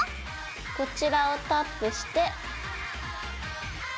こちらをタップして。